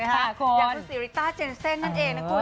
อย่างคุณสิริต้าเจนเซ่นนั่นเองนะคุณ